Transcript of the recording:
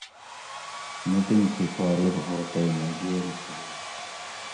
میٹنگ تھی فارغ ھو تئ مہ گیل کھیگ